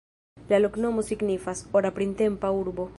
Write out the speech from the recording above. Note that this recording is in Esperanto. La loknomo signifas: "ora printempa urbo".